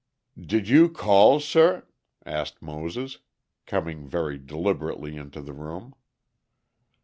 "Did you call, sah?" asked Moses, coming very deliberately into the room.